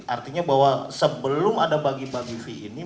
artinya bahwa sebelum ada bagi bagi v ini